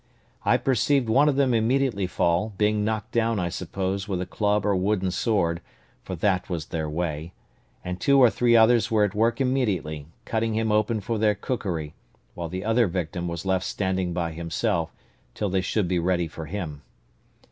I perceived one of them immediately fall; being knocked down, I suppose, with a club or wooden sword, for that was their way; and two or three others were at work immediately, cutting him open for their cookery, while the other victim was left standing by himself, till they should be ready for him.